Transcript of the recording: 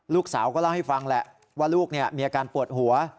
ลูกสาวก็เล่าให้ฟังแหละว่าลูกมีอาการปวดหัว